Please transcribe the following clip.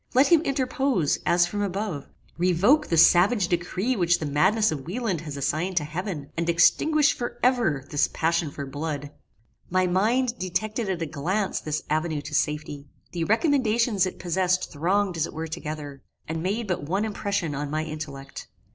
Let him interpose, as from above; revoke the savage decree which the madness of Wieland has assigned to heaven, and extinguish for ever this passion for blood! My mind detected at a glance this avenue to safety. The recommendations it possessed thronged as it were together, and made but one impression on my intellect.